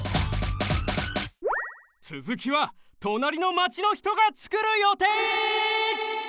つづきはとなりのマチのひとがつくるよてい！